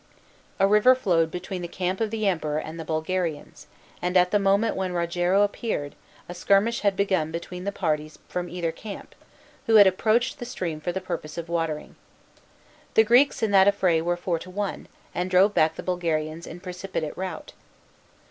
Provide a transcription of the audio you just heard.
A river flowed between the camp of the Emperor and the Bulgarians, and at the moment when Rogero approached, a skirmish had begun between the parties from either camp, who had approached the stream for the purpose of watering. The Greeks in that affray were four to one, and drove back the Bulgarians in precipitate rout.